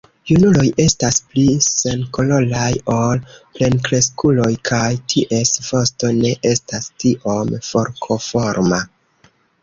Junuloj estas pli senkoloraj ol plenkreskuloj kaj ties vosto ne estas tiom forkoforma.